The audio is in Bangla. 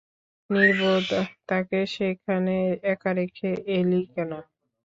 নির্বোধ, তাকে সেখানে একা রেখে এলি কেন?